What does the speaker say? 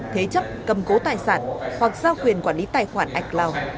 thế chấp cầm cố tài sản hoặc giao quyền quản lý tài khoản ác cloud